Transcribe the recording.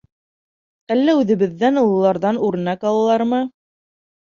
Әллә үҙебеҙҙән, ололарҙан, үрнәк алалармы?